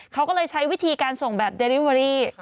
เขาก็เลยใช้วิธีการส่งแบบเดริเวอรี่